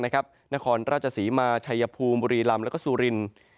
นครราชสีมาชัยภูมิบุรีลำและสุรินทร์